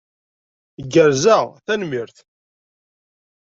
Gerzeɣ, tanemmirt.